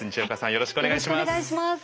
よろしくお願いします。